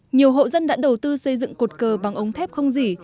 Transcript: nhiều hộ dân đã đầu tư xây dựng cột cờ bằng ống thép không dỉ